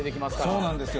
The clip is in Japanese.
そうなんですよ。